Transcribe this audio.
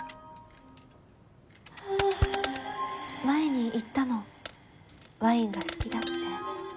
前に言ったのワインが好きだって。